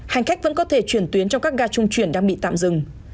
hành khách vẫn có thể chuyển tuyến trong các ga trung chuyển đang bị tạm dừng